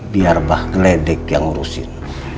biar bah geledek yang rusin